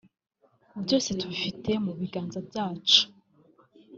“Byose tubifite mu biganza byacu